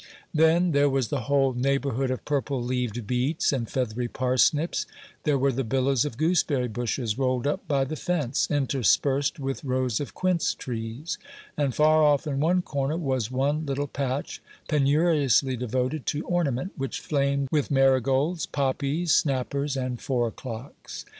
Then there was the whole neighborhood of purple leaved beets and feathery parsnips; there were the billows of gooseberry bushes rolled up by the fence, interspersed with rows of quince trees; and far off in one corner was one little patch, penuriously devoted to ornament, which flamed with marigolds, poppies, snappers, and four o'clocks.